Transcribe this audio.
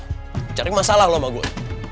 liat aja cari masalah lo sama gue